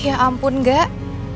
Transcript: ya ampun nggak